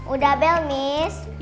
udah bel miss